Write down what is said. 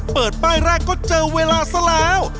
เปิดป้ายแรกก็เจอเวลาซะแล้ว